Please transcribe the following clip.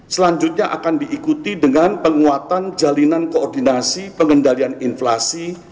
selanjutnya akan diikuti dengan penguatan jalinan koordinasi pengendalian inflasi